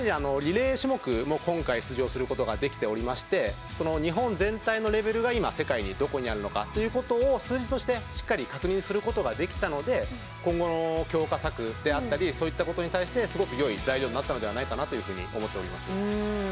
リレー種目も今回出場することができていまして日本全体のレベルが今、世界のどこにあるのかを数字としてしっかりと確認することができたので今後の強化策であったりそういったことに対してすごくよい材料になったのではないかと思います。